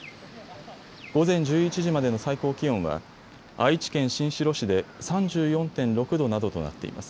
午前１１時までの最高気温は愛知県新城市で３４．６度などとなっています。